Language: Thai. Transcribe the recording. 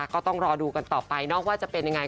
ก็ต้องรอดูกันต่อไปว่าจะเป็นยังไง